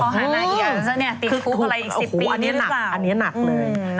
อ๋อเหรอคือถูกอะไรอีก๑๐ปีนี่หรือเปล่าอันนี้หนักเลย